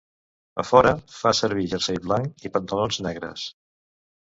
A fora, fa servir jersei blanc i pantalons negres.